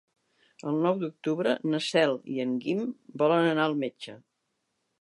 El nou d'octubre na Cel i en Guim volen anar al metge.